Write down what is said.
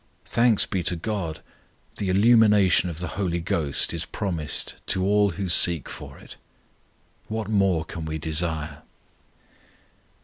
Thanks be to GOD, the illumination of the HOLY GHOST is promised to all who seek for it: what more can we desire?